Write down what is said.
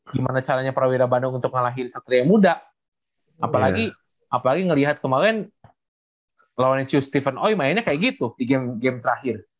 gimana caranya prawira bandung untuk ngalahin satria muda